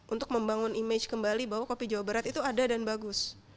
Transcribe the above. untuk membangun image kembali bahwa kopi jawa barat itu ada dan bagus